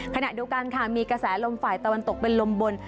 ขณะเดียวกันค่ะมีกระแสลมฝ่ายตะวันตกเป็นลมบน